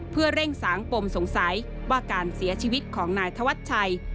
เพื่อเร่งสางปมสงสัยว่าการเสียชีวิตของนายธวัชชัย